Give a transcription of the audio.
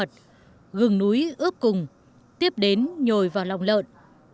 gừng núi ướp cùng tiếp đến nhồi vào lòng lợn